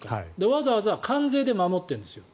わざわざ関税で守っているんですよ。